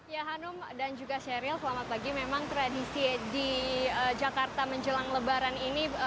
ya hanum dan juga sheryl selamat pagi memang tradisi di jakarta menjelang lebaran ini